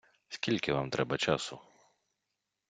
Скільки вам треба часу?